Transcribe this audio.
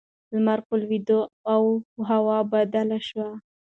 لمر په لوېدو و او هوا بدله شوه.